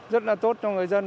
rất là tốt cho người dân